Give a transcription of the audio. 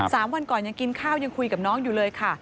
วันก่อนยังกินข้าวยังคุยกับน้องอยู่เลยค่ะ